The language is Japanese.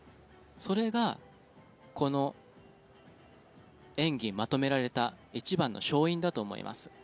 それがこの演技をまとめられた一番の勝因だと思います。